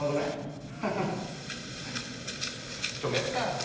今日もやるかっつって。